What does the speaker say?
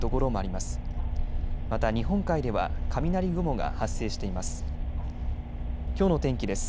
また日本海では雷雲が発生しています。